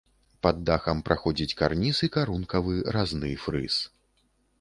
Пад дахам праходзіць карніз і карункавы разны фрыз.